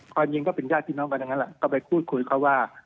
พ่อนยิงก็เป็นญาติที่น้องกันนะฮะก็ไปพูดคุยกับเขาว่า